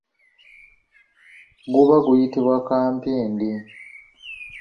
Guba guyitibwa kampindi.